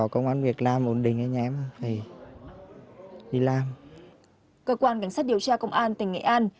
cơ quan cảnh sát điều tra công an tỉnh nghệ an